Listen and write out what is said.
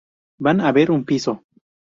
Van a ver un piso.